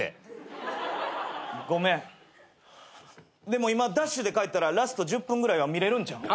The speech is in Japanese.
でも今ダッシュで帰ったらラスト１０分ぐらいは見れるんちゃうん？